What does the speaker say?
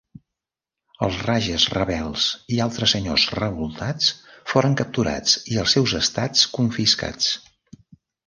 Els rages rebels i altres senyors revoltats foren capturats i els seus estats confiscats.